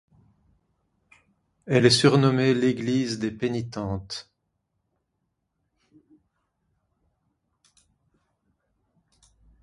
Elle est surnommée l'église des Pénitentes.